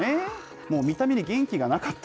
もう見た目に元気がなかった。